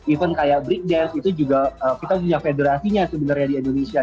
even kayak break dance itu juga kita punya federasinya sebenarnya di indonesia